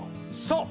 そう！